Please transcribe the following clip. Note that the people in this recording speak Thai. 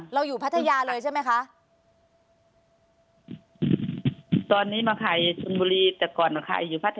เราอยู่พัทยาเลยใช่ไหมคะ